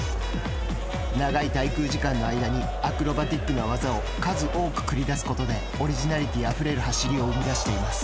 長い滞空時間の間にアクロバティックな技を数多く繰り出すことでオリジナリティーあふれる走りを生み出しています。